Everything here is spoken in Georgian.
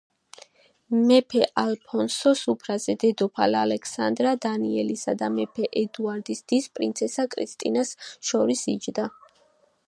მეფე ალფონსო სუფრაზე დედოფალ ალექსანდრა დანიელისა და მეფე ედუარდის დის, პრინცესა კრისტინას შორის იჯდა.